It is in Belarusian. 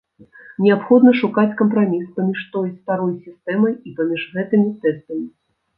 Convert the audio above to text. Неабходна шукаць кампраміс паміж той, старой сістэмай і паміж гэтымі тэстамі.